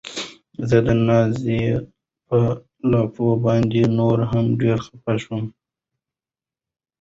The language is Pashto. زه د نازيې په لافو باندې نوره هم ډېره خپه شوم.